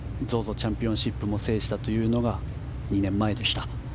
チャンピオンシップも制したというのが２年前でした。